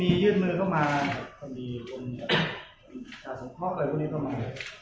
อีกขาดมากแล้วก็ก็เฉยก็พอใช้ได้ก็ใช้กันไปต่อ